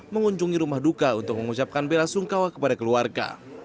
mengunjungi rumah duka untuk mengucapkan bela sungkawa kepada keluarga